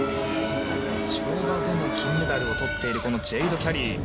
跳馬での金メダルをとっているジェイド・キャリー。